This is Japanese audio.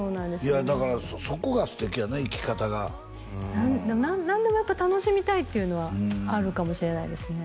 いやだからそこが素敵やね生き方がでも何でもやっぱ楽しみたいっていうのはあるかもしれないですね